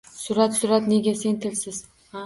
Surat, surat! Nega sen tilsiz?